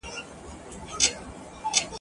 یا د شپې یا به سبا بیرته پیدا سو !.